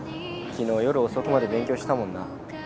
昨日夜遅くまで勉強してたもんな。